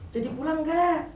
jadi pulang gak